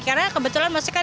karena kebetulan maksudnya kan